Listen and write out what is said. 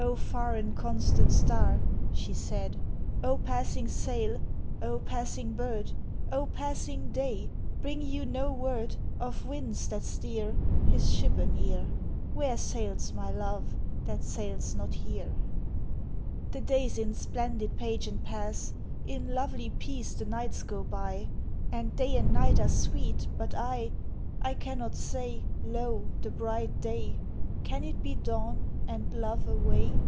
"O far and constant star," she said, "O passing sail, O passing bird, O passing day bring you no word Of winds that steer His ship a near? Where sails my love that sails not here? "The days in splendid pageant pass, In lovely peace the nights go by, And day and night are sweet; but I I cannot say Lo, the bright day! Can it be dawn and love away?"